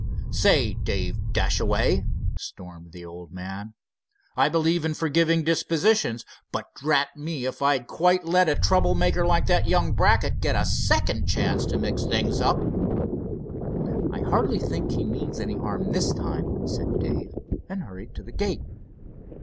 Say, Dave Dashaway!" stormed the old man, "I believe in forgiving dispositions, but drat me if I'd quite let a trouble maker like that young Brackett get a second chance to mix things up." "I hardly think he means any harm this time," said Dave, and hurried to the gate.